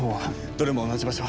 どれも同じ場所